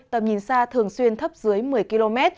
tầm nhìn xa thường xuyên thấp dưới một mươi km